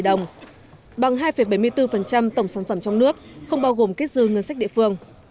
tổng số thu cân đối ngân sách nhà nước không bao gồm kết dư ngân sách địa phương